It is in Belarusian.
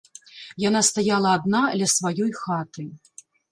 Яна стаяла адна ля сваёй хаты.